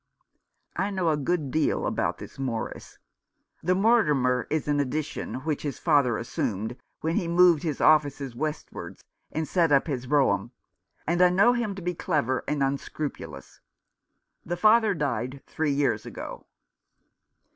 I know a good deal about this Morris — the Mortimer is an addition which his father assumed when he moved his offices westwards, and set up his brougham — and I know him to be clever and unscrupulous. The father died three years ago.